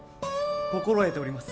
心得ております。